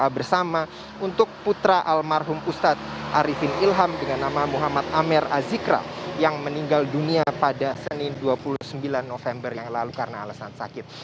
bersama untuk putra almarhum ustadz arifin ilham dengan nama muhammad amer azikra yang meninggal dunia pada senin dua puluh sembilan november yang lalu karena alasan sakit